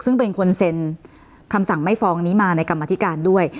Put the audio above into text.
ซึ่งเป็นคนเซ็นคำสั่งไม่ฟ้องนี้มาในกรรมธิการด้วย